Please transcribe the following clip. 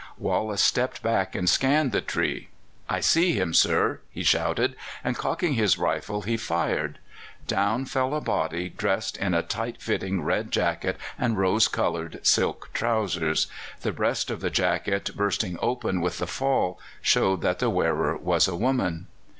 Wallace stepped back and scanned the tree. "I see him, sir," he shouted, and cocking his rifle, he fired. Down fell a body dressed in a tight fitting red jacket and rose coloured silk trousers. The breast of the jacket bursting open with the fall showed that the wearer was a woman.